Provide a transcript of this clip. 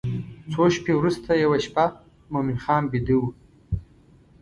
څو شپې وروسته یوه شپه مومن خان بیده و.